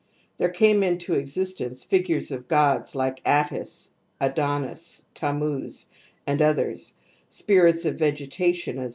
There came into ^^"^^ f existence figures of gods like Attis, Adonis, Tammuz, and others, spirits of vegetation as.